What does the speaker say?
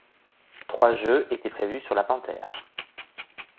Trois jeux étaient prévus sur la Panther.